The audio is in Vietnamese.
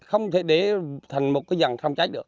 không thể để thành một